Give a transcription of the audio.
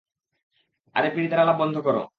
আরে, পিরিতের আলাপ বন্ধ কর!